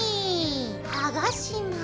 はがします。